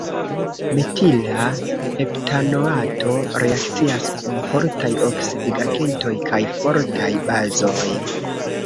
Metila heptanoato reakcias kun fortaj oksidigagentoj kaj fortaj bazoj.